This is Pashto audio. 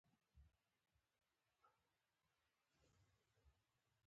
عملي کولو مکلف او مسوول وو.